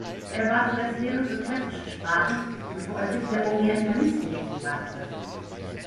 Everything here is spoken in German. Er war zuerst Lehrer für klassische Sprachen, bevor er sich der Orientalistik zuwandte.